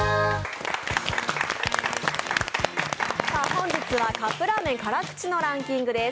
本日はカップラーメン・辛口のランキングです。